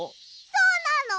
そうなの！？